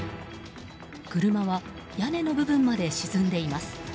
車は屋根の部分まで沈んでいます。